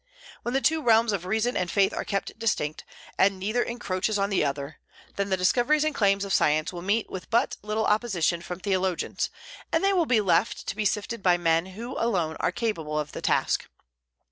When the two realms of reason and faith are kept distinct, and neither encroaches on the other, then the discoveries and claims of science will meet with but little opposition from theologians, and they will be left to be sifted by men who alone are capable of the task.